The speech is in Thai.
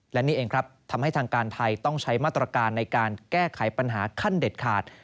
และนี่เองครับทำให้ทางการไทยต้องใช้มาตรการในการแก้ไขปัญหาขั้นเด็ดขาด